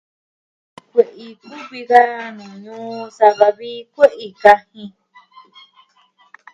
Kue'i kuvi da nuu ñuu sa va vi kue'i kajin.